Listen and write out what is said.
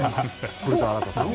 古田新太さんは。